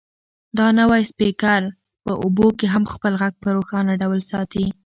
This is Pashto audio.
دا نوی سپیکر په اوبو کې هم خپل غږ په روښانه ډول ساتي.